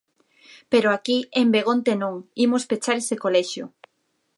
Pero aquí, en Begonte non, imos pechar ese colexio.